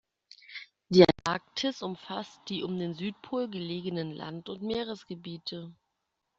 Die Antarktis umfasst die um den Südpol gelegenen Land- und Meeresgebiete.